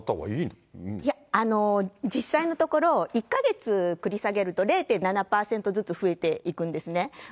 いや、実際のところ、１か月繰り下げると０．７％ずつ増えていくんですね。